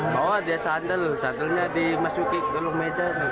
bawa dia sandal sandalnya dimasuki ke dalam meja